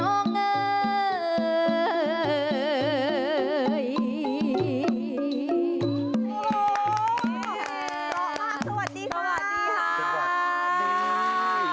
โอ้โหร้องมากสวัสดีค่ะ